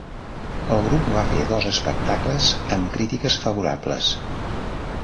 El grup va fer dos espectacles amb crítiques favorables.